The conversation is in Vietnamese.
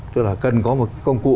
tức là cần có một công cụ